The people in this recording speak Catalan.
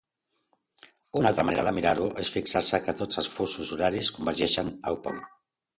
Una altra manera de mirar-ho és fixar-se que tots els fusos horaris convergeixen al pol.